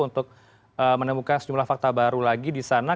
untuk menemukan sejumlah fakta baru lagi di sana